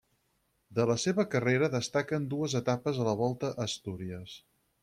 De la seva carrera destaquen dues etapes a la Volta a Astúries.